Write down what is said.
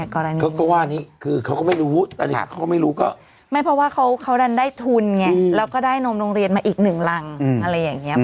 เขาก็ว่านี้คือเขาก็ไม่รู้อันนี้เขาก็ไม่รู้ก็ไม่เพราะว่าเขาดันได้ทุนไงแล้วก็ได้นมโรงเรียนมาอีกหนึ่งรังอะไรอย่างนี้